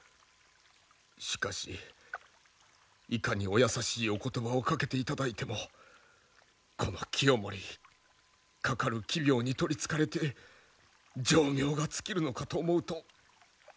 しかしいかにお優しいお言葉をかけていただいてもこの清盛かかる奇病に取りつかれて定命が尽きるのかと思うと残念でなりませぬ。